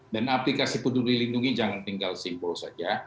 dan aplikasi penduduk dilindungi jangan tinggal simbol saja